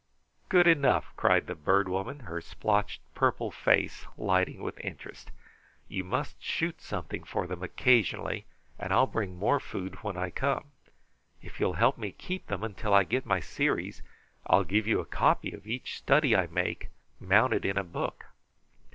"Good enough!" cried the Bird Woman, her splotched purple face lighting with interest. "You must shoot something for them occasionally, and I'll bring more food when I come. If you will help me keep them until I get my series, I'll give you a copy of each study I make, mounted in a book."